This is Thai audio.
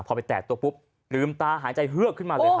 พอไปแตกตัวปุ๊บลืมตาหายใจเฮือกขึ้นมาเลย